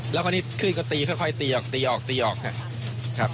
แล้วคราวนี้ขึ้นก็ตีค่อยตีออกตีออกตีออกครับ